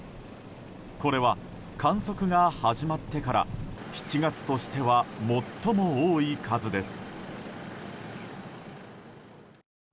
これは観測が始まってから７月としては最も多い数です。